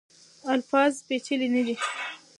الفاظ پیچلي نه دي.